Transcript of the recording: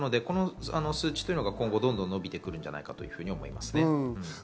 この数値は今後どんどんと伸びてくるんじゃないかなと思いますね。